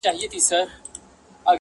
کله هسک ته کله ستورو ته ختلای-